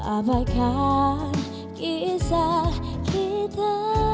abaikan kisah kita